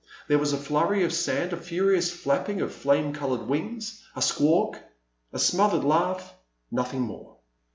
There was a flurry of sand, a furi ous flapping of flame coloured wings, a squawk ! a smothered laugh — ^nothing more.